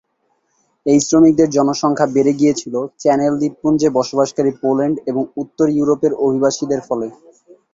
এই শ্রমিকদের জনসংখ্যা বেড়ে গিয়েছিল চ্যানেল দ্বীপপুঞ্জে বসবাসকারী পোল্যান্ড এবং উত্তর ইউরোপের অভিবাসীদের ফলে।